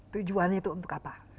tujuannya itu untuk apa